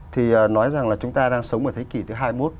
thì nói rằng là chúng ta đang sống ở thế kỷ thứ hai mươi một